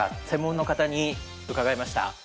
専門の方に伺いました。